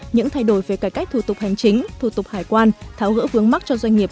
những thay đổi về cải cách thủ tục hành chính thủ tục hải quan tháo gỡ vướng mắt cho doanh nghiệp